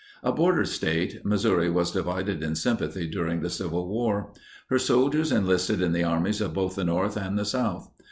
A border State, Missouri was divided in sympathy during the Civil War. Her soldiers enlisted in the armies of both the North and the South.